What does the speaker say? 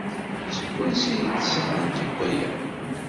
Seg wansi ay d-sɣant akk aya?